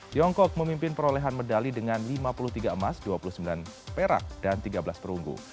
tiongkok memimpin perolehan medali dengan lima puluh tiga emas dua puluh sembilan perak dan tiga belas perunggu